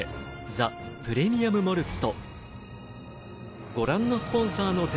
「ザ・プレミアム・モルツ」